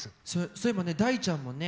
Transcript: そういえば大ちゃんもね